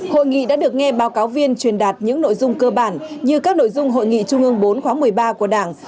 hội nghị đã được nghe báo cáo viên truyền đạt những nội dung cơ bản như các nội dung hội nghị trung ương bốn khóa một mươi ba của đảng